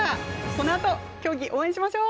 このあと、競技、応援しましょう。